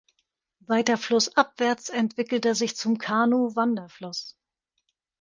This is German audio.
Weiter flussabwärts entwickelt er sich zum Kanu-Wanderfluss.